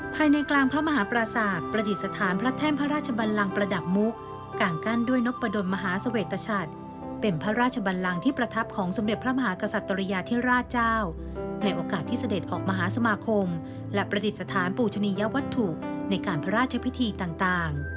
ภายในกลางพระมหาปราศาสตร์ประดิษฐานพระแท่นพระราชบันลังประดับมุกการกั้นด้วยนกประดนมหาเสวตชัดเป็นพระราชบันลังที่ประทับของสมเด็จพระมหากษัตริยาธิราชเจ้าในโอกาสที่เสด็จออกมหาสมาคมและประดิษฐานปูชนียวัตถุในการพระราชพิธีต่าง